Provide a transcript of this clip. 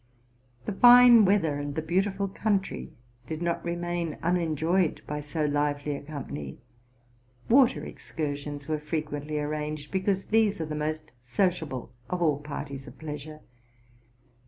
The fine weather and the beautiful country did not remain unenjoyed by so lively a company: water excursions were frequently arranged, because these are the most sociable of es parties of pleasure.